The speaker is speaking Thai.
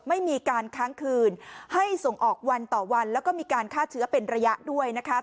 ไม่มีการค้างคืนให้ส่งออกวันต่อวันแล้วก็มีการฆ่าเชื้อเป็นระยะด้วยนะคะ